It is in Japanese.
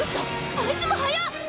あいつも速っ！